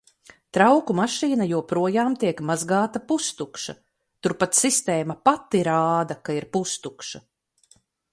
Trauku mašīna joprojām tiek mazgāta pustukša, tur pat sistēma pati rāda, ka ir pustukša.